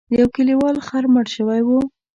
د یو کلیوال خر مړ شوی و.